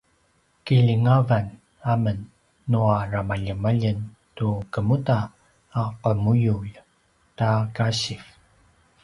kilingavan amen nua ramaljemaljeng tu kemuda a qemuyulj ta kasiv